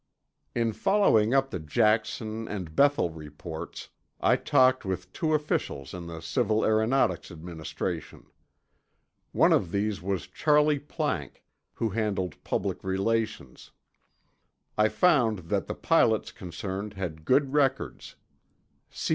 In following up the Jackson and Bethel reports, I talked with two officials in the Civil Aeronautics Administration. One of these was Charley Planck, who handled public relations. I found that the pilots concerned had good records; C.